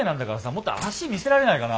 もっと脚見せられないかな。